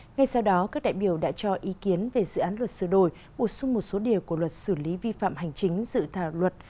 ngay sau đó các đại biểu đã cho ý kiến về dự án luật sửa đổi bổ sung một số điều của luật xử lý vi phạm hành chính dự thảo luật